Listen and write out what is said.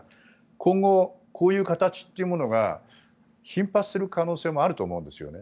今後、こういう形というものが頻発する可能性もあると思うんですよね。